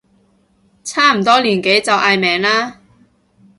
差唔多年紀就嗌名啦